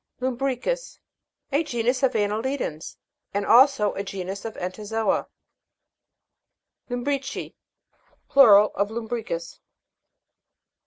LUM'BRICUS. A genus of annelidans, and also a genus of entozo'a. LUM'BRICI. Plural of Lum'bricus.